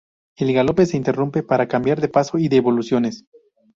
El galope se interrumpe para cambiar de paso y de evoluciones.